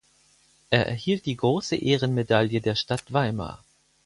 Er erhielt die Große Ehrenmedaille der Stadt Weimar.